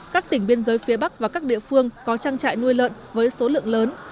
các tỉnh biên giới phía bắc và các địa phương có trang trại nuôi lợn với số lượng lớn